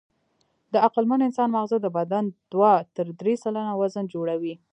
د عقلمن انسان ماغزه د بدن دوه تر درې سلنه وزن جوړوي.